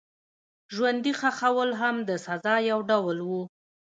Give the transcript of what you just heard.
ژوندي ښخول هم د سزا یو ډول و.